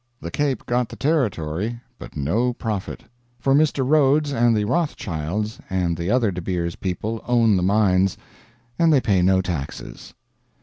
The Cape got the territory, but no profit; for Mr. Rhodes and the Rothschilds and the other De Beers people own the mines, and they pay no taxes.